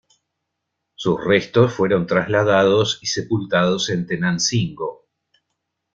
Sus restos fueron trasladados y sepultados en Tenancingo.